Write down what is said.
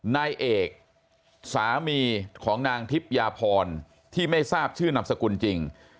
นายเอกสามีของนางทิพยาพรที่ไม่ทราบชื่อนามสกุลจริง